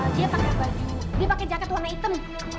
dia pakai baju dia pakai jaket warna hitam